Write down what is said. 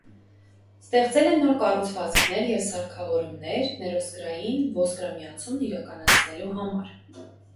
Ստեղծել է նոր կառուցվածքներ և սարքավորումներ՝ ներոսկրային ոսկրամիացումն իրականացնելու համար։